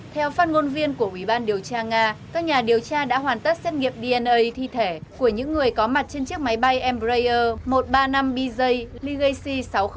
theo phát ngôn viên của quỹ ban điều tra nga các nhà điều tra đã hoàn tất xét nghiệp dna thi thể của những người có mặt trên chiếc máy bay embraer một trăm ba mươi năm bz legacy sáu trăm linh